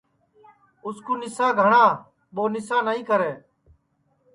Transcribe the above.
اُس کُو نِسا گھاٹؔا ٻو نسا نائی کری